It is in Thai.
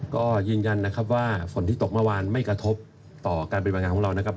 ก็ยืนยันนะครับว่าฝนที่ตกเมื่อวานไม่กระทบต่อการปฏิบัติงานของเรานะครับ